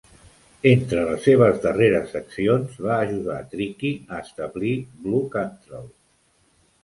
Entre les seves darreres accions, va ajudar Tricky a establir Blu Cantrell.